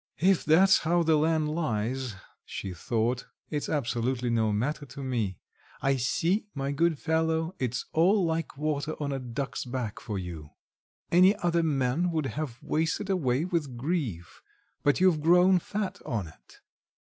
"If that's how the land lies," she thought, "it's absolutely no matter to me; I see, my good fellow, it's all like water on a duck's back for you; any other man would have wasted away with grief, but you've grown fat on it."